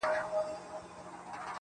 ستا د غزلونو و شرنګاه ته مخامخ يمه~